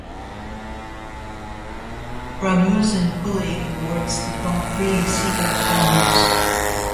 Ramuz in Pully awards the Grand Prix C. F. Ramuz.